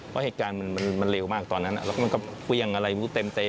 เพราะเหตุการณ์มันเร็วมากตอนนั้นแล้วมันก็เครื่องอะไรเต็ม